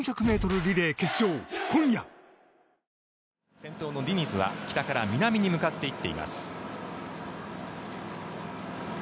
先頭のディニズは北から南に向かっていっています。